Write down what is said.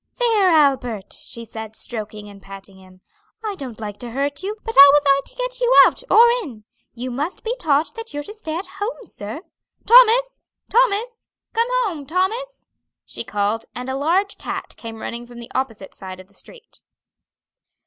"There, Albert," she said, stroking and patting him, "I don't like to hurt you, but how was I to get you out, or in? You must be taught that you're to stay at home, sir. Thomas! Thomas! come home, Thomas!" she called; and a large cat came running from the opposite side of the street.